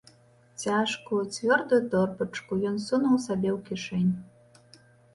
Цяжкую, цвёрдую торбачку ён сунуў сабе ў кішэнь.